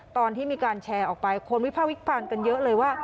ตอนที่มีการแชร์ออกไปคนวิภาควิจารณ์กันเยอะเลยว่า